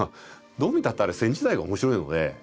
どう見たってあれ線自体が面白いので。